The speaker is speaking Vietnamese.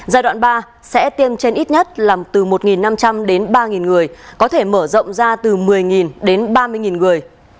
giai đoạn ba sẽ tiêm trên ít nhất là từ một năm trăm linh đến ba người có thể mở rộng ra từ một mươi đến ba mươi người